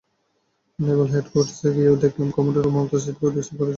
নেভাল হেডকোয়ার্টার্সে গিয়েও দেখলাম কমোডর মমতাজ চিফকে রিসিভ করার জন্য রেডি আছেন।